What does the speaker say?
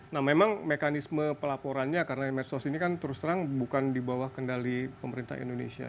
nah memang mekanisme pelaporannya karena medsos ini kan terus terang bukan di bawah kendali pemerintah indonesia